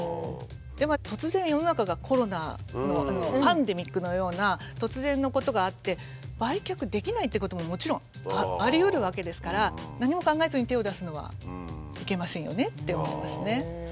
でも突然世の中がコロナパンデミックのような突然のことがあって売却できないっていうことももちろんありうるわけですから何も考えずに手を出すのはいけませんよねって思いますね。